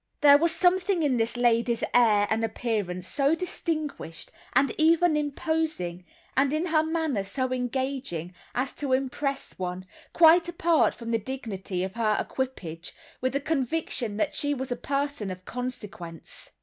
There was something in this lady's air and appearance so distinguished and even imposing, and in her manner so engaging, as to impress one, quite apart from the dignity of her equipage, with a conviction that she was a person of consequence.